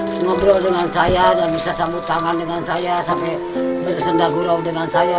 bisa ngobrol dengan saya bisa sambut tangan dengan saya sampai berkesendak gurau dengan saya